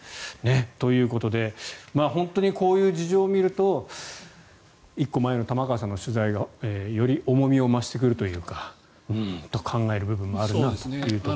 ということで本当にこういう事情を見ると１個前の玉川さんの取材がより重みを増してくるというかうーんと考える部分もあるなというところ。